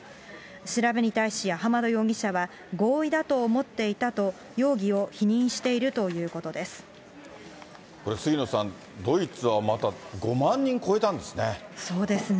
調べに対しアハマド容疑者は、合意だと思っていたと容疑を否認しこれ杉野さん、ドイツはまた５万人超えたんですね。